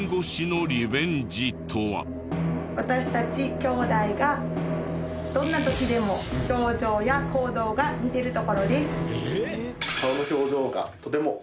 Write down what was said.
私たち姉弟がどんな時でも表情や行動が似てるところです。